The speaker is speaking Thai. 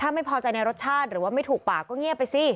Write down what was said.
ถ้าไม่พอใจในรสชาติหรือว่าไม่ถูกปากก็เงียบไปสิ